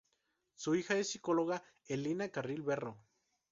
Su hija es la psicóloga Elina Carril Berro.